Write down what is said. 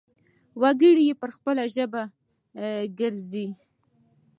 وګړي يې پر خپلې ژبې ګړيږي.